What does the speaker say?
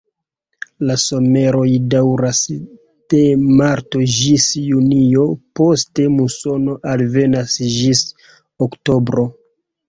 La someroj daŭras de marto ĝis junio, poste musono alvenas ĝis oktobro.